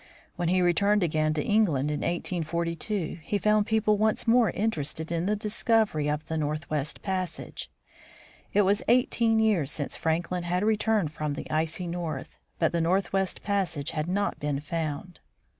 When he returned again to England in 1842, he found people once more interested in the discovery of the northwest passage. It was eighteen years since Franklin had returned from the icy North, but the northwest passage had not been found.